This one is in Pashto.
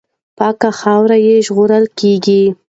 پاکه خاوره یې ژغورل کېږي.